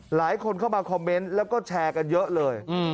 หลายคนเข้ามาคอมเมนต์แล้วก็แชร์กันเยอะเลย